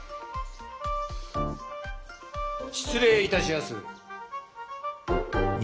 ・失礼いたしやす。